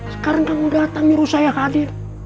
sekarang kamu datang nyuruh saya kehadir